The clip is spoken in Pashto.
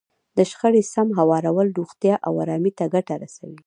د شخړې سم هوارول روغتیا او ارامۍ ته ګټه رسوي.